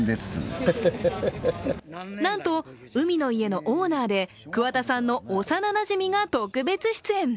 なんと、海の家のオーナーで、桑田さんの幼なじみが特別出演。